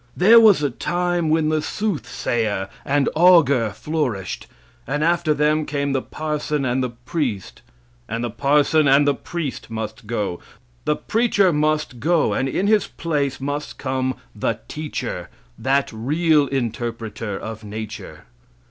There was a time when the soothsayer and auger flourished, and after them came the parson and the priest; and the parson and priest must go. The preacher must go, and in his place must come the teacher that real interpreter of nature.